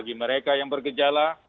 bagi mereka yang bergejala